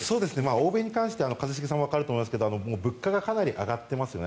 欧米に関しては一茂さんはわかると思いますが物価がかなり上がっていますよね。